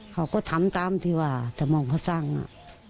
เขาก็ทำตามที่ว่าสมองเขาสร้างน่ะ